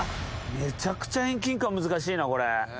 めちゃくちゃ遠近感難しいな、これ。